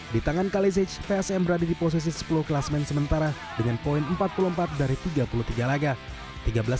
di tangan kalesic psm berada di posisi sepuluh kelas main sementara dengan poin empat puluh empat dari tiga puluh tiga laga